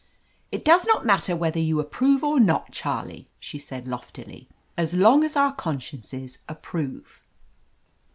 "It does not matter whether you approve or not, Charlie," she said loftily, "as long as our consciences approve."